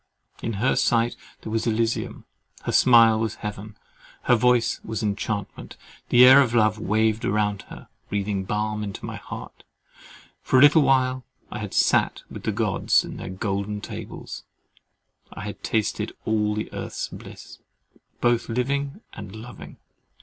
In her sight there was Elysium; her smile was heaven; her voice was enchantment; the air of love waved round her, breathing balm into my heart: for a little while I had sat with the Gods at their golden tables, I had tasted of all earth's bliss, "both living and loving!"